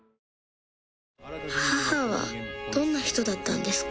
母はどんな人だったんですか？